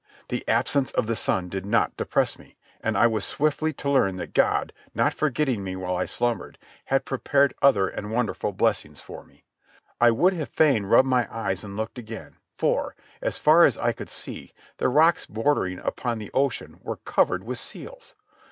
The absence of the sun did not depress me, and I was swiftly to learn that God, not forgetting me while I slumbered, had prepared other and wonderful blessings for me. I would have fain rubbed my eyes and looked again, for, as far as I could see, the rocks bordering upon the ocean were covered with seals.